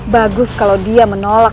bagus kalau dia menolak